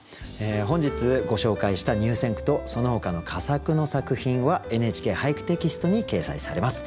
本日ご紹介した入選句とそのほかの佳作の作品は「ＮＨＫ俳句」テキストに掲載されます。